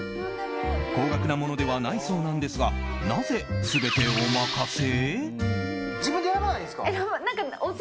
高額なものではないそうなんですがなぜ全てお任せ？